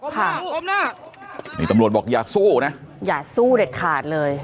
ค่ะนี่ตำรวจบอกอย่าสู้นะอย่าสู้เด็ดขาดเลย